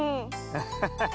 アハハハ。